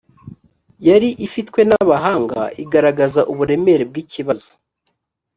yari ifitwe n’abahanga igaragaza uburemere bw ikibazo